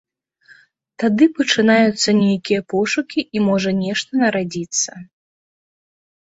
Тады пачынаюцца нейкія пошукі і можа нешта нарадзіцца.